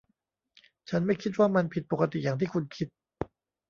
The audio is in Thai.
ฉันไม่คิดว่ามันผิดปกติอย่างที่คุณคิด